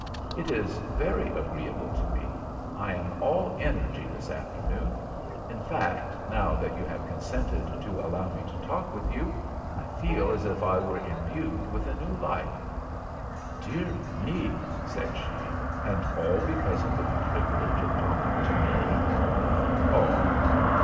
"It is very agreeable to me. I am all energy this afternoon. In fact, now that you have consented to allow me to talk with you, I feel as if I were imbued with a new life." "Dear me," said she, "and all because of the privilege of talking to me?" "All."